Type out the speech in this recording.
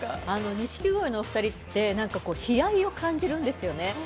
錦鯉のお二人って悲哀を感じるんですよね。